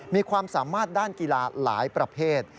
มีความสามารถด้านกีฬาหลายประเภท